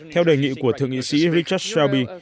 theo đề nghị của thượng nghị sĩ richard shelby